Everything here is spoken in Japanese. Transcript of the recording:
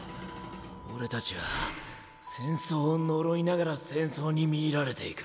俺たちは戦争を呪いながら戦争に魅入られていく。